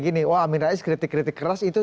gini wah amin rais kritik kritik keras itu